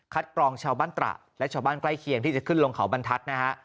กรองชาวบ้านตระและชาวบ้านใกล้เคียงที่จะขึ้นลงเขาบรรทัศน์นะฮะ